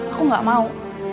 aku gak mau